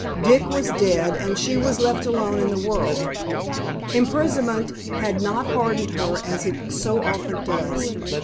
Dick was dead, and she was left alone in the world. Imprisonment had not hardened her as it so often does.